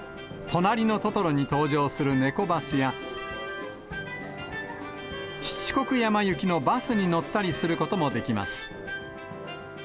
となりのトトロに登場するネコバスや、七国山行きのバスに乗ったりすることもできます。